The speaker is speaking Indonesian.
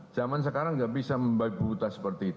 zaman sekarang gak bisa membagi bubutan seperti itu